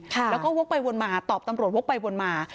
แล้วก็วกไปวนมาตอบตำรวจวกไปวนมา